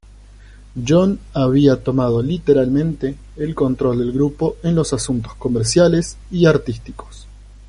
John había tomado literalmente el control del grupo en los asuntos comerciales y artísticos.